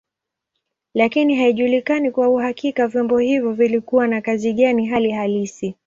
Lakini haijulikani kwa uhakika vyombo hivyo vilikuwa na kazi gani hali halisi.